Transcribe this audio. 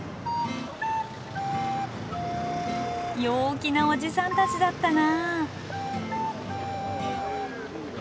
陽気なおじさんたちだったな。